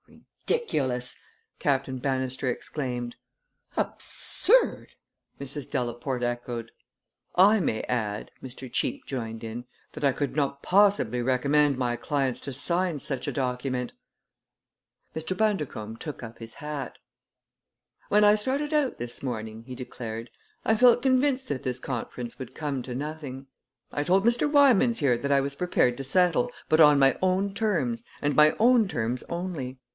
"Ridiculous!" Captain Bannister exclaimed. "Absurd!" Mrs. Delaporte echoed. "I may add," Mr. Cheape joined in, "that I could not possibly recommend my clients to sign such a document." Mr. Bundercombe took up his hat. "When I started out this morning," he declared, "I felt convinced that this conference would come to nothing. I told Mr. Wymans here that I was prepared to settle, but on my own terms and my own terms only.